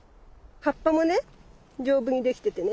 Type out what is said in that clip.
葉っぱもね丈夫にできててね。